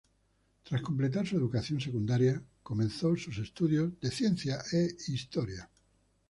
Tras completar su educación secundaria, comenzó sus estudios de ciencia y historia.